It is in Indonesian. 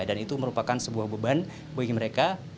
dan itu merupakan sebuah beban bagi mereka